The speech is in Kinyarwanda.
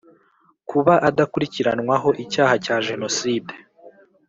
kuba adakurikiranwaho icyaha cya jenoside;